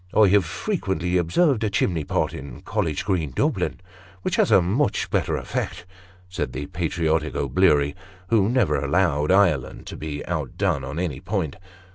"I have frequently observed a chimney pot in College Green, Dublin, which has a much better effect," said the patriotic O'Bleary, who never allowed Ireland to be outdone on any point.